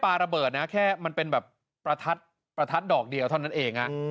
ระเบิดนะแค่มันเป็นแบบประทัดดอกเดียวเท่านั้นเอง